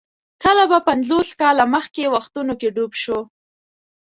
کله به پنځوس کاله مخکې وختونو کې ډوب شو.